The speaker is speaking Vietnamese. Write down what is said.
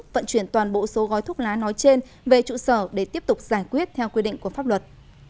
vận chuyển toàn bộ số gói thuốc lá nói trên về trụ sở để tiếp tục giải quyết theo quy định của pháp luật